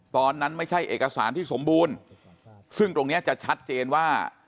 ตอนนั้นไม่ใช่เอกสารที่สมบูรณ์ซึ่งตรงเนี้ยจะชัดเจนว่า